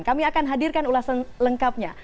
kami akan hadirkan ulasan lengkapnya